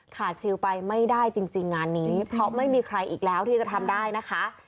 ซิลไปไม่ได้จริงงานนี้เพราะไม่มีใครอีกแล้วที่จะทำได้นะคะ